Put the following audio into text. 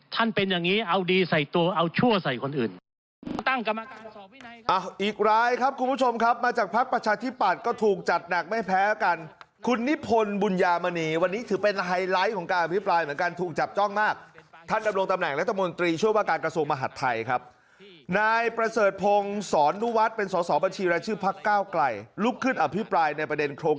เป็นอย่างนี้เอาดีใส่ตัวเอาชั่วใส่คนอื่น